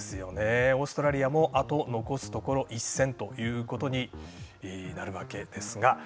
オーストラリアもあと残すところ１戦ということになるわけですが。